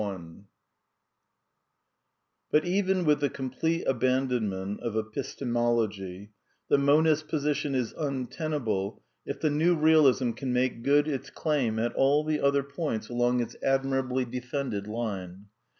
!// r^ m But even with the complete abandonment of Episte mology, the monist's position is untenable if the New Bealism can make good its claim at all the other points along its admirably defended line.